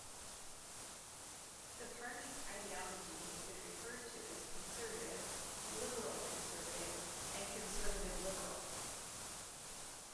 The party's ideology has been referred to as conservative, liberal-conservative, and conservative-liberal.